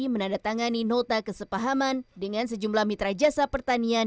menandatangani nota kesepahaman dengan sejumlah mitra jasa pertanian